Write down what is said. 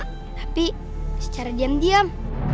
tapi secara diam diam